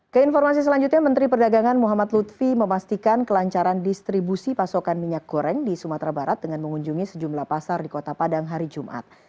keinformasi selanjutnya menteri perdagangan muhammad lutfi memastikan kelancaran distribusi pasokan minyak goreng di sumatera barat dengan mengunjungi sejumlah pasar di kota padang hari jumat